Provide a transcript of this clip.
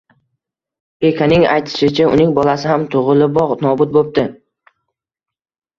Bekaning aytishicha, uning bolasi ham tug‘iliboq nobud bo‘pti